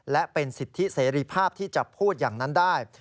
และเป็นสิทธิเสรีภาพที่จะพูดอย่างนั้นได้